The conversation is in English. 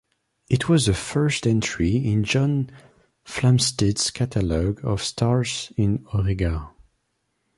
It was the first entry in John Flamsteed's catalogue of stars in Auriga.